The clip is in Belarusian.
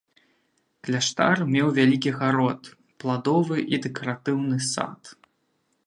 Кляштар меў вялікі гарод, пладовы і дэкаратыўны сад.